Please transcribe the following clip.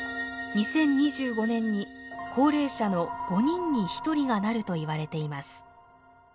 ２０２５年に高齢者の５人に１人がなるといわれています。